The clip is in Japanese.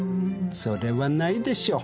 それはないでしょ。